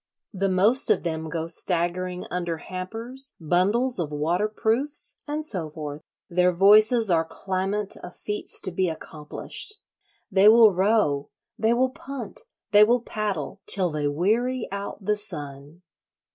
The most of them go staggering under hampers, bundles of waterproofs, and so forth. Their voices are clamant of feats to be accomplished: they will row, they will punt, they will paddle, till they weary out the sun.